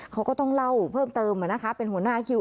เขาก็ต้องเล่าเพิ่มเติมเป็นหัวหน้าคิว